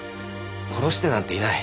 殺してなんていない。